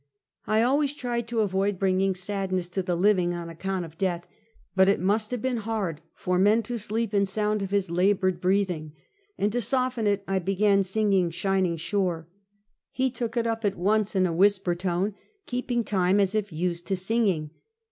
I always tried to avoid bringing sadness to the liv ing on account of death; but it must have been hard for men to sleep in sound of his labored breathing; and to soften it I began singing " Shining Shore." He took it up at once, in a whisper tone, keeping time, as if used to singing.